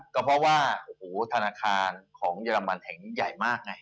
ก็เพราะว่าโอ้โหธนาคารของเยอรมันแห่งนี้ใหญ่มากไง